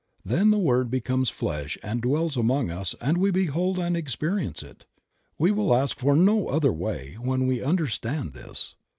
Then the word becomes flesh and dwells among us and we behold and experience it. We will ask for no other way when we understand this.